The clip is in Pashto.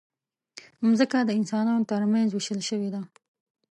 مځکه د انسانانو ترمنځ وېشل شوې ده.